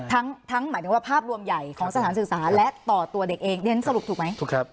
ทั้งหมายถึงว่าภาพรวมใหญ่ของสถานศึกษาและต่อตัวเด็กเองเรียนสรุปถูกไหมถูกครับ